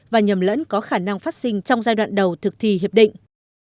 và nhầm lẫn có khả năng phát sinh trong giai đoạn đầu thực thi hiệp định